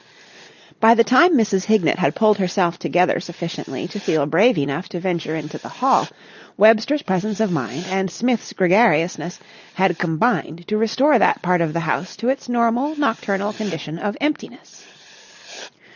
By the time Mrs. Hignett had pulled herself together sufficiently to feel brave enough to venture into the hall, Webster's presence of mind and Smith's gregariousness had combined to restore that part of the house to its normal nocturnal condition of emptiness.